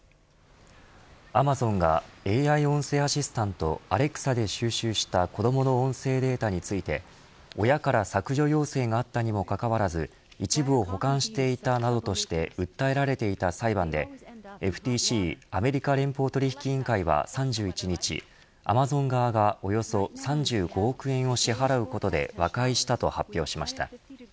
アマゾンがＡＩ音声アシスタントアレクサで収集した子どもの音声データについて親から削除要請があったにもかかわらず一部を保管していたなどとして訴えられていた裁判でＦＴＣアメリカ連邦取引委員会は３１日アマゾン側がおよそ３５億円を支払うことで和解したと発表しました。